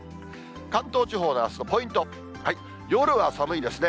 関東地方のあすのポイント、夜は寒いですね。